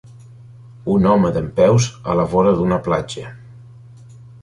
Un home dempeus a la vora d'una platja